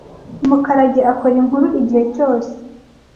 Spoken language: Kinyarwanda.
Mukarage akora inkuru igihe cyose.